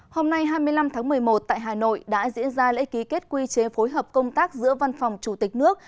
hôm nay hai mươi năm tháng một mươi một tại hà nội đã diễn ra lễ ký kết quy chế phối hợp công tác giữa văn phòng chủ tịch nước